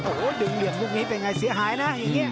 โอ้โหดึงเหลี่ยมลูกนี้เป็นไงเสียหายนะอย่างนี้